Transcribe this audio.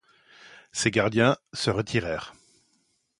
ses gardiens se retirèrent.